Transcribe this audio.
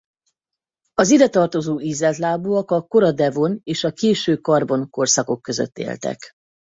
Az idetartozó ízeltlábúak a kora devon és a késő karbon korszakok között éltek.